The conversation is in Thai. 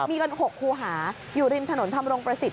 มีกัน๖คูหาอยู่ริมถนนทำรงประสิทธิ